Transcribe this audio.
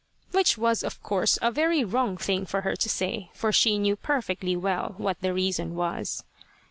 Which was, of course, a very wrong thing for her to say; for she knew perfectly well what the reason was.